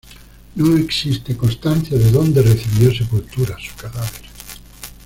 No existe constancia de dónde recibió sepultura su cadáver.